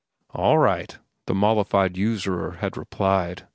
"All right," the mollified usurer had replied.